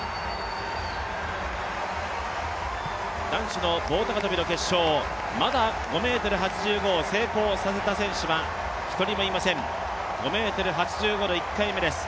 男子の棒高跳の決勝、まだ５ｍ８５を成功させた選手は１人もいません、５ｍ８５の１回目です。